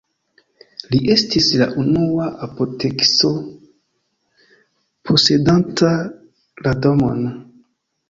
Li estis la unua apotekisto posedanta la domon.